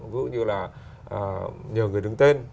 ví dụ như là nhờ người đứng tên